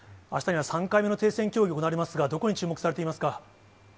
あしたには３回目の停戦協議が行われますが、どこに注目されていますか。